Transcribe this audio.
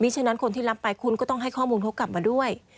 ฉะนั้นคนที่รับไปคุณก็ต้องให้ข้อมูลเขากลับมาด้วย